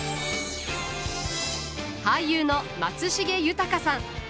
俳優の松重豊さん。